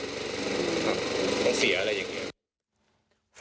ต้องเสียอะไรอย่างนี้